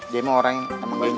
dia mah orang yang temen gengsi